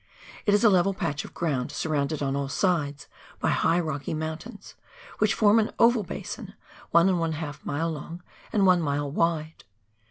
It is a level patch of ground sur rounded on all sides by high rocky mountains, which form an oval basin, one and a half mile long, and one mile wide.